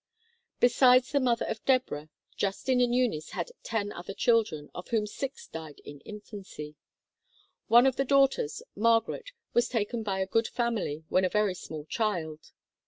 Besides the mother of Deborah, Justin and Eunice had ten other children, of whom six died in infancy. One of the daughters, Margaret, was taken by a good family when a very small child.